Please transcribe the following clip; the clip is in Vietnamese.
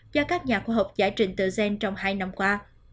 do các nhà khoa học giải trình tự gen trong hai năm qua